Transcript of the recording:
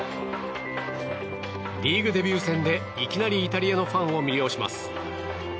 リーグデビュー戦でいきなりイタリアのファンを魅了します。